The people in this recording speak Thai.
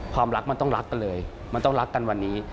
ความรักมันต้องรักกันเลยมันต้องรักกันวันนี้